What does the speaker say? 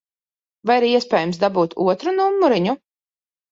Vai ir iespējams dabūt otru numuriņu?